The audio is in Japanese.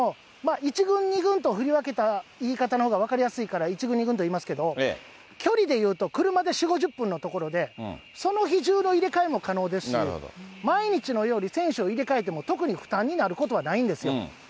１軍、２軍と振り分けた言い方のほうが分かりやすいので、１軍、２軍といいますけれども、距離で言うと車で４、５０分のところで、その日中の入れ替えも可能ですし、毎日のように選手を入れ替えても特に負担になることはないんですよ。